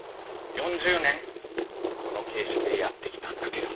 ４０年この形式でやって来たんだけどね。